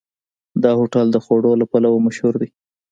دا هوټل د خوړو له پلوه مشهور دی.